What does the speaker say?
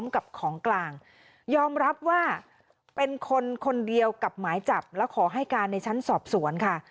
กับหมายจับแล้วขอให้การในชั้นสอบสวนค่ะ